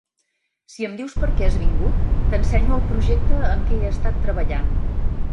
Si em dius perquè has vingut, t'ensenyo el projecte en què he estat treballant.